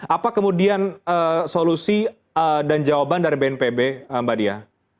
apa kemudian solusi dan jawaban dari bnpb mbak dia